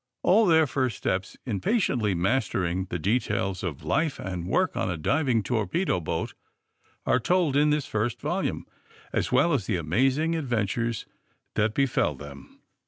All their first steps in patiently mastering the details of life and work on a diving torpedo boat are told in this first volume, as well as the amazing adventures that befell them.